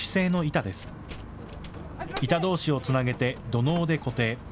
板どうしをつなげて土のうで固定。